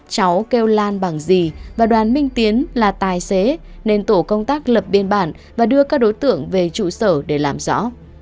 cháu kêu lan bằng gì và đoàn minh tiến là tài xế nên tổ công tác lập biên bản và đưa các đối tượng về trụ sở để làm rõ